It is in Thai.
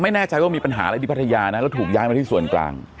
ไม่แน่ใจว่ามีปัญหาอะไรที่พัทยานะแล้วถูกย้ายมาที่ส่วนกลาง